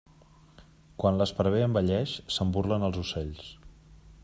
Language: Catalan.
Quan l'esparver envelleix, se'n burlen els ocells.